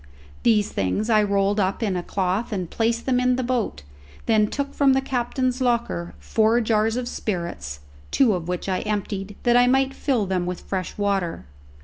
These things I rolled up in a cloth and placed them in the boat, then took from the captain's locker four jars of spirits, two of which I emptied that I might fill them with fresh water.